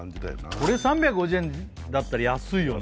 これ３５０円だったら安いよね